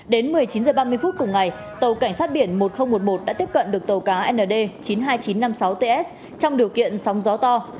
đến một mươi chín h ba mươi phút cùng ngày tàu cảnh sát biển một nghìn một mươi một đã tiếp cận được tàu cá nd chín mươi hai nghìn chín trăm năm mươi sáu ts trong điều kiện sóng gió to